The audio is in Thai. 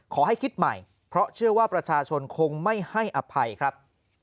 ขอให้คิดใหม่เพราะเชื่อว่าประชาชนคงไม่ให้อภัยครับ